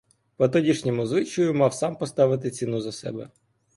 По тодішньому звичаю мав сам поставити ціну за себе.